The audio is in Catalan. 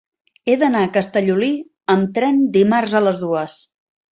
He d'anar a Castellolí amb tren dimarts a les dues.